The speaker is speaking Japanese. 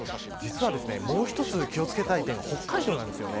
実はもう一つ気を付けたい点が北海道なんです。